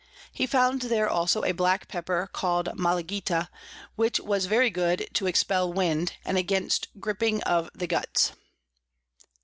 He found there also a black Pepper call'd Malagita, which was very good to expel Wind, and against Griping of the Guts.